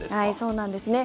そうなんですね。